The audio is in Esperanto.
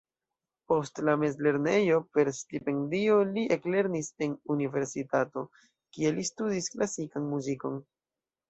Post la mezlernejo, per stipendio li eklernis en universitato, kie li studis klasikan muzikon.